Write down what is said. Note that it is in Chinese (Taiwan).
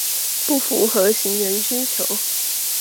不符合行人需求